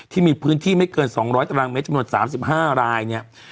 ที่ไม่เกินสองร้อยตารางเม็ดจำหน่วยสามสิบห้ารายเนี่ย